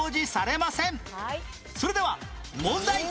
それでは問題